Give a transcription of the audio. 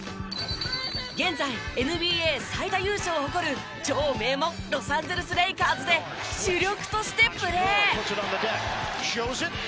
現在ＮＢＡ最多優勝を誇る超名門ロサンゼルス・レイカーズで主力としてプレー。